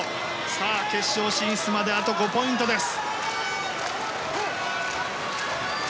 さあ、決勝進出まであと５ポイントです。